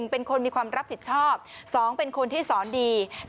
เป็นคนมีความรับผิดชอบ๒เป็นคนที่สอนดี